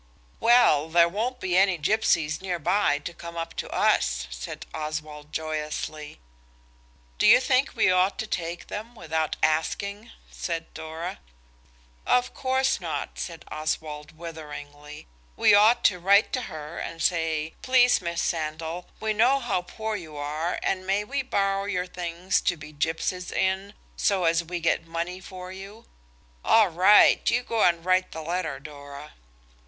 "Well, there won't be any gipsies near by to come up to us," said Oswald joyously. "Do you think we ought to take them, without asking?" said Dora. "Of course not," said Oswald witheringly; "we ought to write to her and say, 'Please, Miss Sandal, we know how poor you are, and may we borrow your things to be gipsies in so as we get money for you–' All right! You go and write the letter, Dora."